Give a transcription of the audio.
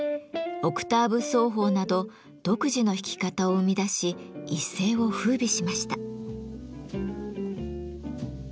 オクターブ奏法など独自の弾き方を生み出し一世を風靡しました。